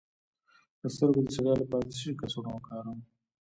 د سترګو د ستړیا لپاره د څه شي کڅوړه وکاروم؟